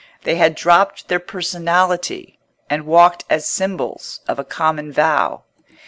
They had dropped their personality, and walked as symbols of a common vow.